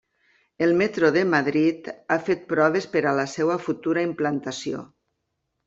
El metro de Madrid ha fet proves per a la seva futura implantació.